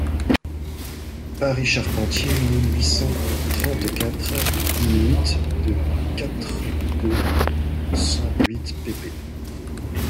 Paris, Charpentier, mille huit cent trente-quatre, in-huit de quatre-deux cent huit pp.